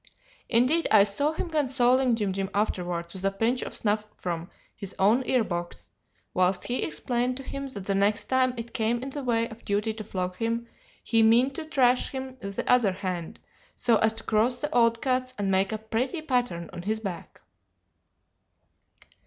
Indeed, I saw him consoling Jim Jim afterwards with a pinch of snuff from his own ear box, whilst he explained to him that the next time it came in the way of duty to flog him, he meant to thrash him with the other hand, so as to cross the old cuts and make a "pretty pattern" on his back.